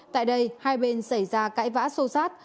tại đây hai bên xảy ra cãi vã sâu sát